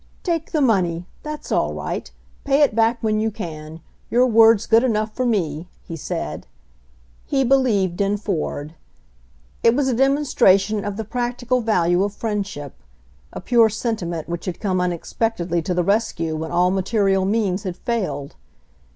"Take the money ; that's all right. Pay it back when you can. Your word's good enough for me," he said. He believed in Ford. It was a demonstration of the practical value of friendship — a pure sentiment which had come unexpectedly to the rescue when all material means had failed.